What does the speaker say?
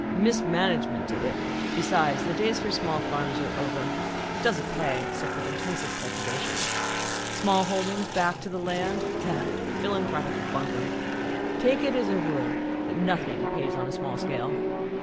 "Mismanagement did it besides, the days for small farms are over. It doesn't pay except with intensive cultivation. Small holdings, back to the land ah! philanthropic bunkum. Take it as a rule that nothing pays on a small scale.